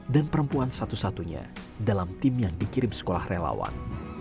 dan perempuan satu satunya dalam tim yang dikirim sekolah relawan